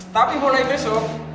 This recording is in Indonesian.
tapi mulai besok